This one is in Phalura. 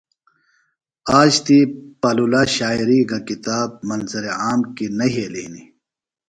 آج تی پالولا شاعری گہ کتاب منظر عام کیۡ نہ یھیلیࣿ ہِنیࣿ۔